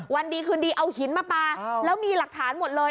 วันดีคืนดีเอาหินมาปลาแล้วมีหลักฐานหมดเลย